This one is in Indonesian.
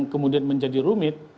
kemudian menjadi rumit